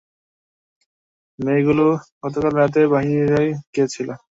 মেয়েগুলো গতকাল রাতে বাড়ির বাহিরে গিয়েছিল।